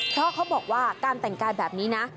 เพราะเขาบอกว่าการแต่งกายแบบนี้นะ